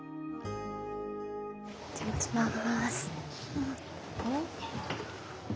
お邪魔します。